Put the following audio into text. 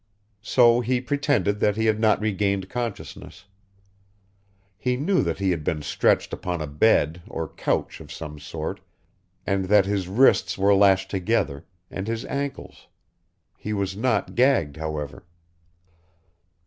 So he pretended that he had not regained consciousness. He knew that he had been stretched upon a bed or couch of some sort, and that his wrists were lashed together, and his ankles. He was not gagged, however.